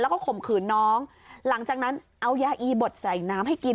แล้วก็ข่มขืนน้องหลังจากนั้นเอายาอีบดใส่น้ำให้กิน